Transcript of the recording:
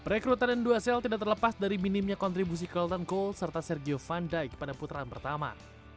rekrutan endusel tidak terlepas dari minimnya kontribusi hilton cole serta sergio van dijk pada putaran pertama